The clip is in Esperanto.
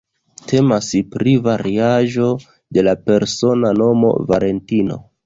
Temas pri variaĵo de la persona nomo "Valentino".